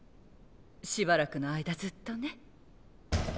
しばらくの間ずっとね。